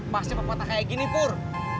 pasti pepatah kayak gini pur